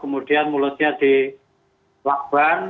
matanya di lakban